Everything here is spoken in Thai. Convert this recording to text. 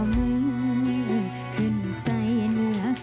ภาธิบดีองค์ดำแสนสิริจันทราอนาคารเทวาวิสุทธิเทวาปู่เชมีเมตตัญจมหาละโพมิโยนาคา